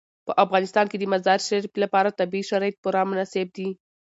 په افغانستان کې د مزارشریف لپاره طبیعي شرایط پوره مناسب دي.